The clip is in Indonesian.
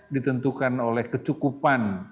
ditentukan oleh kecukupan